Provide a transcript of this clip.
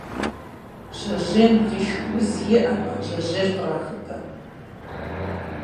Жьэжьейм лышх уз иӏэмэ, жьэжьейр кърахыпэ.